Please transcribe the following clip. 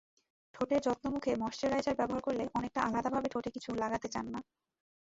ঠোঁটের যত্নেমুখে ময়েশ্চারাইজার ব্যবহার করলে অনেকে আলাদাভাবে ঠোঁটে কিছু লাগাতে চান না।